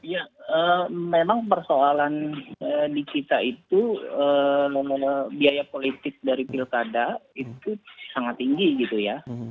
ya memang persoalan di kita itu biaya politik dari pilkada itu sangat tinggi gitu ya